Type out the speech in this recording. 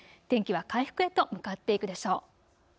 天気は回復へと向かっていくでしょう。